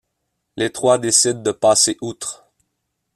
Les trois décident de passer outre.